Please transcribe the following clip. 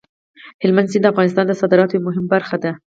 هلمند سیند د افغانستان د صادراتو یوه مهمه برخه ده.